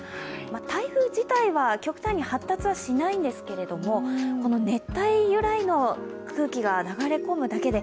台風自体は極端に発達はしないんですけども熱帯由来の空気が流れ込むだけで